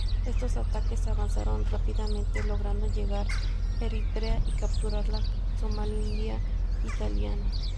Estos ataques avanzaron rápidamente, logrando llegar a Eritrea y capturar la Somalilandia Italiana.